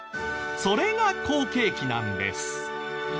それが好景気なんです。